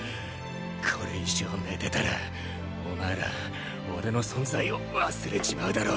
これ以上寝てたらお前ら俺の存在を忘れちまうだろうが！